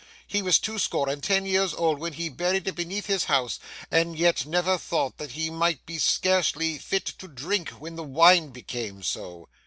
He was twoscore and ten years old when he buried it beneath his house, and yet never thought that he might be scarcely "fit to drink" when the wine became so.